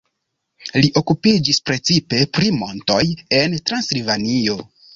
Li okupiĝis precipe pri montoj en Transilvanio.